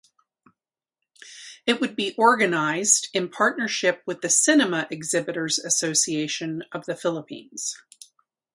It would be organized in partnership with the Cinema Exhibitors Association of the Philippines.